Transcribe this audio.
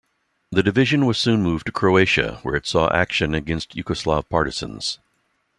The division was soon moved to Croatia where it saw action against Yugoslav partisans.